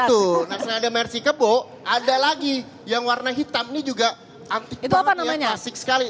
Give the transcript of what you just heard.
betul nah sekarang ada mercy kebo ada lagi yang warna hitam ini juga antik banget yang asik sekali